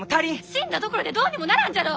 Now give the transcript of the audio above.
死んだところでどうにもならんじゃろ！